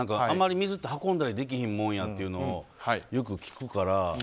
あまり水って運んだりできひんもんやっていうのをよく聞くから。